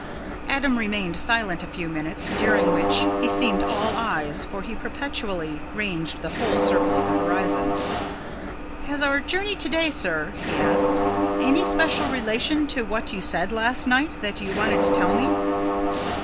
Adam remained silent a few minutes, during which he seemed all eyes, for he perpetually ranged the whole circle of the horizon. "Has our journey to day, sir," he asked, "any special relation to what you said last night that you wanted to tell me?"